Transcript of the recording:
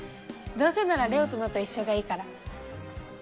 どうせなら麗雄斗のと一緒がいいから。